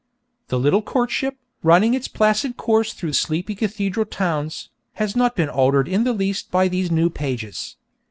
The little courtship, running its placid course through sleepy cathedral towns, has not been altered in the least by these new pages.